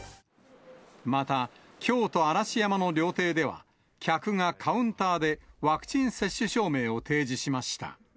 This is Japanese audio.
また、京都・嵐山の料亭では客がカウンターでワクチン接種証明を提示しました。